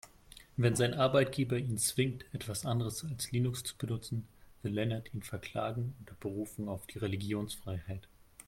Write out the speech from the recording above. Wenn sein Arbeitgeber ihn zwingt, etwas anderes als Linux zu benutzen, will Lennart ihn verklagen, unter Berufung auf die Religionsfreiheit.